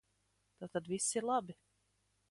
Tātad viss ir labi.